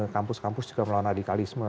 kampus kampus juga melawan radikalisme